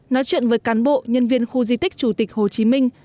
nói chuyện với cán bộ nhân viên khu di tích chủ tịch hồ chí minh